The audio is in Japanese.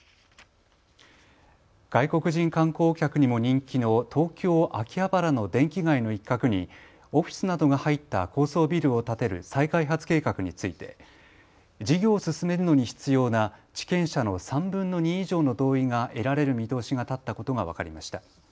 外国人観光客にも人気の東京秋葉原の電気街の一角にオフィスなどが入った高層ビルを建てる再開発計画について事業を進めるのに必要な地権者の３分の２以上の同意が得られる見通しが立ったことが分かりました。